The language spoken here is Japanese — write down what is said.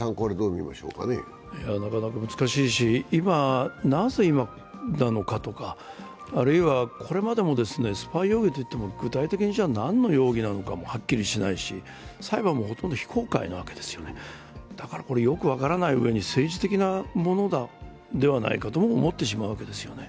なかなか難しいし、なぜ今なのかとかあるいは、これまでもスパイ容疑と言っても、具体的に何の容疑なのかもはっきりしないし裁判もほとんど非公開なわけですだから、よく分からないうえに政治的なものではないかとも思ってしまうわけですよね。